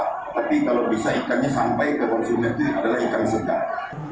tapi kalau bisa ikannya sampai ke konsumennya adalah ikan segar